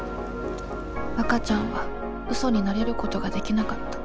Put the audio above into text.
わかちゃんは嘘に慣れることができなかった。